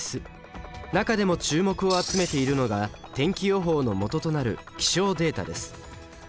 中でも注目を集めているのが天気予報のもととなる気象データです。